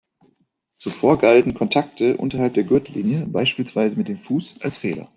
Zuvor galten Kontakte unterhalb der Gürtellinie, beispielsweise mit dem Fuß, als Fehler.